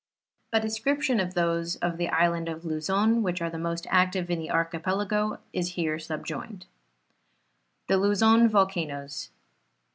A description of those of the Island of Luzon, which are the most active in the archipelago, is here sub joined. THE LUZON VOLCANOES.